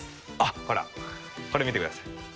ほらこれ見てください。